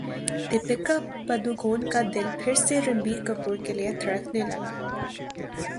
دپیکا پڈوکون کا دل پھر سے رنبیر کپور کے لیے دھڑکنے لگا